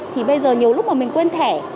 thì bây giờ nhiều lúc mà mình quên thẻ